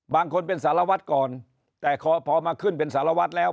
บางคนเป็นสารวัตรก่อนแต่พอพอมาขึ้นเป็นสารวัตรแล้ว